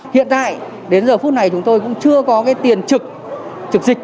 hiện tại đến giờ phút này chúng tôi cũng chưa có cái tiền trực dịch